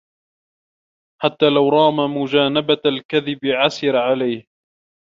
حَتَّى لَوْ رَامَ مُجَانَبَةَ الْكَذِبِ عَسِرَ عَلَيْهِ